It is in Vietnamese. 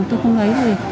tôi không ngấy rồi